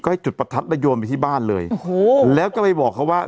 ให้จุดประทัดแล้วโยนไปที่บ้านเลยโอ้โหแล้วก็ไปบอกเขาว่า